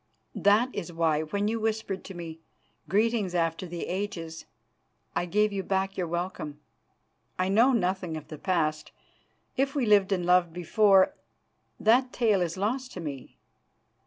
That is why, when you whispered to me, 'Greeting after the ages,' I gave you back your welcome. I know nothing of the past. If we lived and loved before, that tale is lost to me.